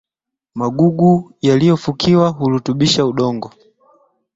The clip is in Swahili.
magugu yaliyofukiwa hurutubisha udongo